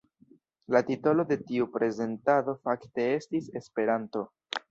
La titolo de tiu prezentado fakte estis ”Esperanto”.